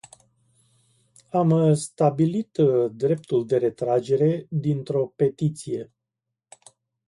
Am stabilit dreptul de retragere dintr-o petiție.